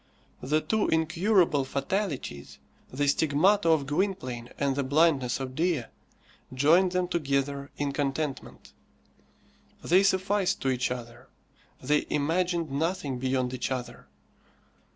The two incurable fatalities, the stigmata of Gwynplaine and the blindness of Dea, joined them together in contentment. They sufficed to each other. They imagined nothing beyond each other.